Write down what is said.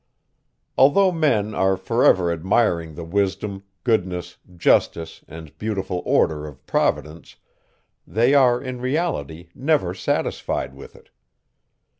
Although men are for ever admiring the wisdom, goodness, justice, and beautiful order of Providence, they are, in reality, never satisfied with it.